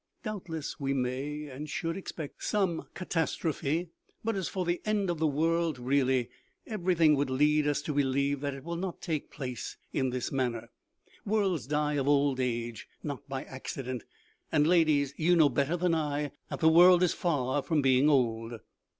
Doubtless, we may, and should, expect some catastro phe, but as for the end of the world, really, every thing would lead us to believe that it will not take place in this manner. Worlds die of old age, not by accident, and, ladies, you know better than I that the world is far from being old.